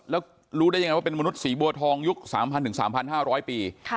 แล้วรู้ได้ยังไงว่าเป็นมนุษย์สีบัวทองยุค๓๐๐๓๕๐๐ปี